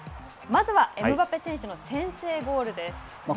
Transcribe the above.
まずはエムバペ選手の先制ゴールです。